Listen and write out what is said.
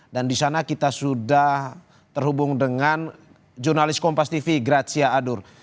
dan disana kita sudah terhubung dengan jurnalis kompas tv grazia adur